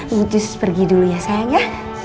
mujus pergi dulu ya sayang ya